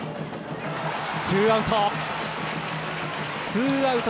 ツーアウト。